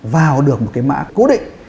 vào được một cái mã cố định